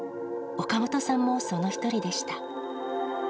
岡本さんもその一人でした。